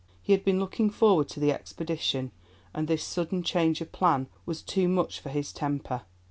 He had been looking forward to the expedition, and this sudden change of plan was too much for his temper.